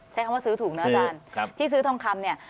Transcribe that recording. ใช้คำว่าซื้อถูกนะอาจารย์ที่ซื้อทองคำเนี่ย